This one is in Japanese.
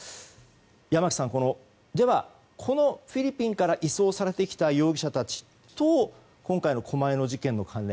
山木さん、このフィリピンから移送されてきた容疑者たちと今回の狛江の事件の関連。